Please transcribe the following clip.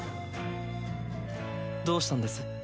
・どうしたんです？